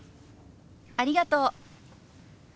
ありがとう。